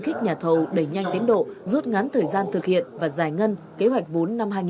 khích nhà thầu đẩy nhanh tiến độ rút ngắn thời gian thực hiện và giải ngân kế hoạch vốn